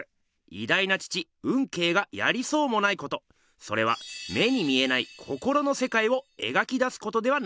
いだいな父運慶がやりそうもないことそれは目に見えない心の世界を描き出すことではないでしょうか。